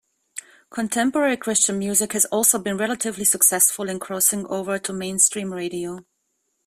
Contemporary Christian music has also been relatively successful in crossing over to mainstream radio.